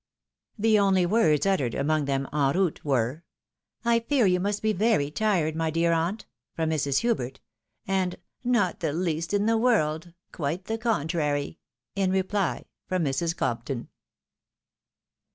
The only words uttered among them en route were, " I fear yoii must be very tired, my dear aunt," from Mrs. Hubert ; and, " Not the least in the world ; quite the contrary," in reply, from Mrs. Compton.